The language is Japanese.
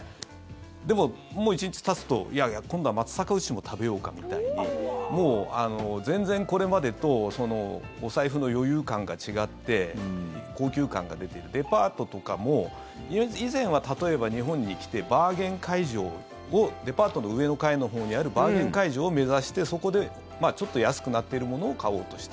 でも、もう１日たつといやいや、今度は松阪牛も食べようかみたいに全然これまでとお財布の余裕感が違って高級感が出ているデパートとかも以前は、例えば日本に来てデパートの上の階のほうにあるバーゲン会場を目指してそこでちょっと安くなっているものを買おうとした。